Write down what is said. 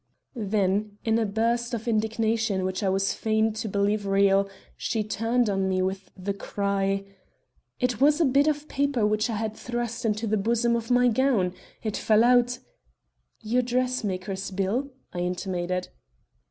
Then, in a burst of indignation which I was fain to believe real, she turned on me with the cry: "It was a bit of paper which I had thrust into the bosom of my gown. It fell out " "Your dressmaker's bill?" I intimated.